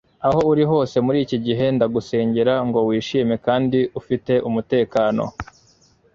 aho uri hose muri iki gihe, ndagusengera ngo wishime kandi ufite umutekano